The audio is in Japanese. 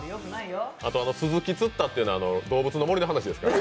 あとスズキ釣ったというのは「どうぶつの森」の話ですから。